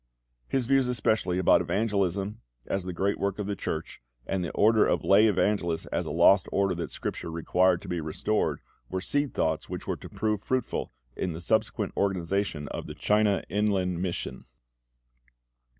His views especially about evangelism as the great work of the Church, and the order of lay evangelists as a lost order that Scripture required to be restored, were seed thoughts which were to prove fruitful in the subsequent organisation of the China Inland Mission.